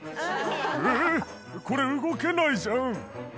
「ええこれ動けないじゃん」